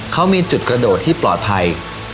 เขามีจุดกระโดดที่ปลอดภัย